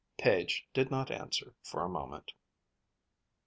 Page did not answer for a moment.